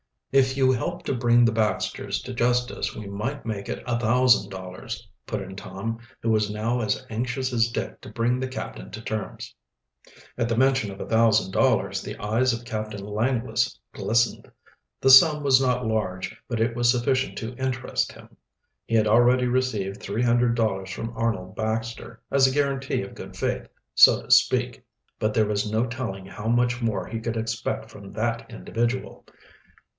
"If you helped to bring the Baxters to justice we might make it a thousand dollars," put in Tom, who was now as anxious as Dick to bring the captain to terms. At the mention of a thousand dollars the eyes of Captain Langless glistened. The sum was not large, but it was sufficient to interest him. He had already received three hundred dollars from Arnold Baxter, as a guarantee of good faith, so to speak, but there was no telling how much more he could expect from that individual.